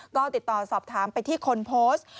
ก็ติดต่อสอบถามไปที่คนโพสต์